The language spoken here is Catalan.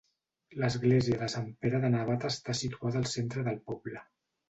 L'església de Sant Pere de Navata està situada al centre del poble.